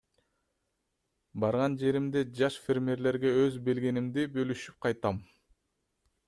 Барган жеримде жаш фермерлерге өз билгенимди бөлүшүп кайтам.